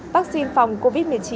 vaccine phòng covid một mươi chín